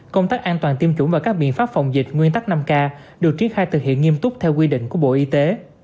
công tác an toàn tiêm chủng và các biện pháp phòng dịch nguyên tắc năm k được triển khai thực hiện nghiêm túc theo quy định của bộ y tế